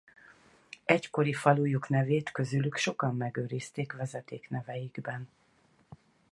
Egykori falujuk nevét közülük sokan megőrizték vezetékneveikben.